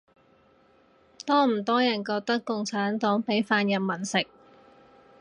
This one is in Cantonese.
多唔多人覺得共產黨畀飯人民食